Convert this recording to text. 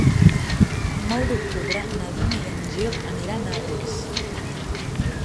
El nou d'octubre na Duna i en Gil aniran a Arres.